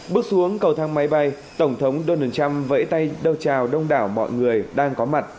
bước xuống cầu thang máy bay tổng thống donald trump vẫy tay đông chào đông đảo mọi người đang có mặt